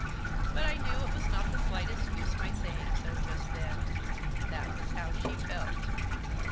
But I knew it was not the slightest use my saying so just then ; that was how she felt.